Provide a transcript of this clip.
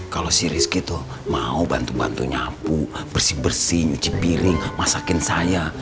kalau si rizky tuh mau bantu bantu nyapu bersih bersih nyuci piring masakin saya